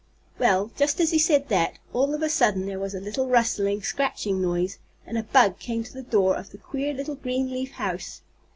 Well, just as he said that, all of a sudden there was a little rustling, scratching noise, and a bug came to the door of the queer little green leaf house.